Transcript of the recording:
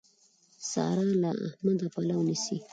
سارا له احمده پلو نيسي.